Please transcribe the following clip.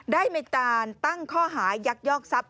ได้มีการตั้งข้อหายักยอกทรัพย